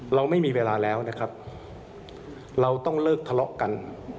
เราไม่มีเวลาแล้วนะครับเราต้องเลิกทะเลาะกัน